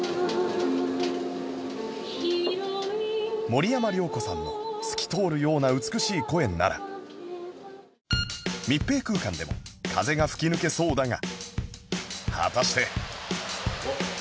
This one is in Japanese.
森山良子さんの透き通るような美しい声なら密閉空間でも風が吹き抜けそうだが果たして